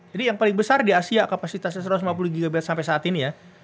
jadi yang paling besar di asia kapasitasnya satu ratus lima puluh gb sampai saat ini ya